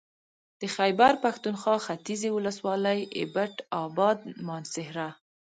د خېبر پښتونخوا ختيځې ولسوالۍ اېبټ اباد مانسهره